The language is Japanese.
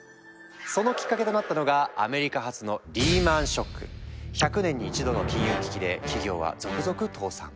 そのきっかけとなったのがアメリカ発の１００年に一度の金融危機で企業は続々倒産。